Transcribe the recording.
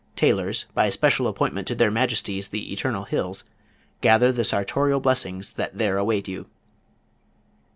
Tailors, By Special Appointment To Their Majesties, The Eternal Hills, gather the sartorial blessings that there await you."